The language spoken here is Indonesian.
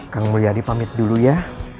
kang mulia dipamit dulu ya